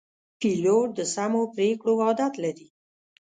پیلوټ د سمو پرېکړو عادت لري.